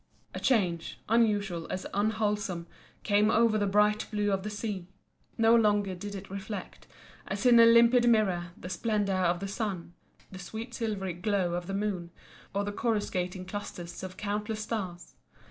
"A change, unusual as unwholesome, came over the bright blue of the sea. No longer did it reflect, as in a limpid mirror, the splendour of the sun, the sweet silvery glow of the moon, or the coruscating clusters of countless stars.